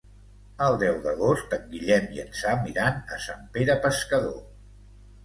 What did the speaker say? El deu d'agost en Guillem i en Sam iran a Sant Pere Pescador.